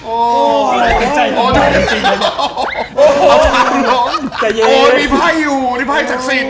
โอ้โหดังน้องโอ้ยมีภาคอยู่มีไฟศักดิ์สิน